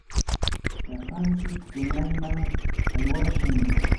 lapantsik tunayman aywashun.